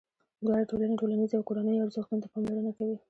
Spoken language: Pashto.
دواړه ټولنې ټولنیزو او کورنیو ارزښتونو ته پاملرنه کوي.